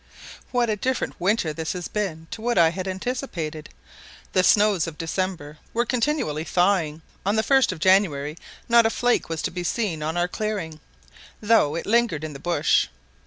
WHAT a different winter this has been to what I had anticipated. The snows of December were continually thawing; on the 1st of January not a flake was to be seen on our clearing, though it lingered in the bush.